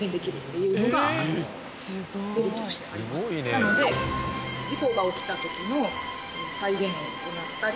なので事故が起きた時の再現を行ったり。